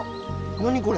何これ？